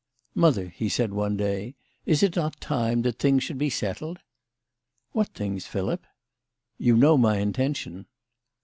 " Mother/' he said one day, " is it not time that things should be settled ?"" What things, Philip ?"" You know my intention."